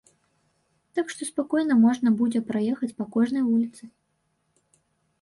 Так што спакойна можна будзе праехаць па кожнай вуліцы.